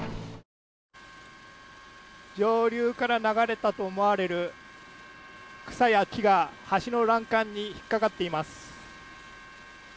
上流から流れたと思われる草や木が橋の欄干に引っかかっています。